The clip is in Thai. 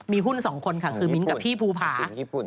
มีหุ้น๒คนค่ะคือมิ้นท์กับพี่ภูผา